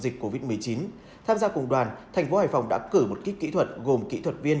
dịch covid một mươi chín tham gia cùng đoàn thành phố hải phòng đã cử một kíp kỹ thuật gồm kỹ thuật viên